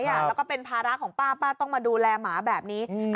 แล้วก็เป็นภาระของป้าป้าต้องมาดูแลหมาแบบนี้